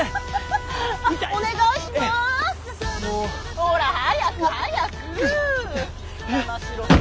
ほら早く早く！